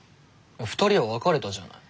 ２人は別れたじゃない。